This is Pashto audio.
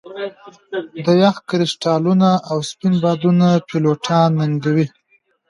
د یخ کرسټالونه او سپین بادونه پیلوټان ننګوي